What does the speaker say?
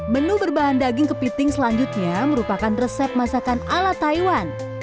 menu berbahan daging kepiting selanjutnya merupakan resep masakan ala taiwan